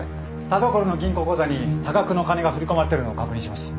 田所の銀行口座に多額の金が振り込まれているのを確認しました。